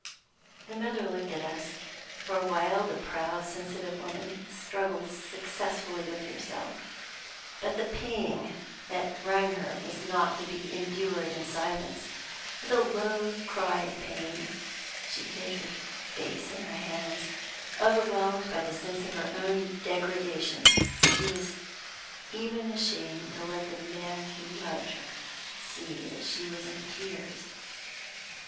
The mother looked at us. For a while, the proud, sensitive woman struggled successfully with herself; but the pang that wrung her was not to be endured in silence. With a low cry of pain, she hid her face in her hands. Overwhelmed by the sense of her own degradation, she was even ashamed to let the man who loved her see that she was in tears.